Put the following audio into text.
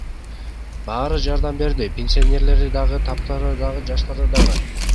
Баары жардам берди — пенсионерлери дагы, таптакыр жаштары дагы.